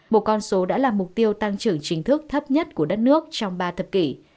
một con số đã là mục tiêu tăng trưởng chính thức thấp nhất của đất nước trong ba thập kỷ